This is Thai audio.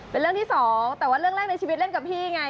เป็นเรื่องที่สองแต่ว่าเรื่องแรกในชีวิตเล่นกับพี่ไง